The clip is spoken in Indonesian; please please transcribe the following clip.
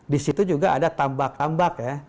disitu juga ada tambak tambak